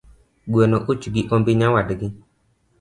Gweno uch gi ombi nyawadgi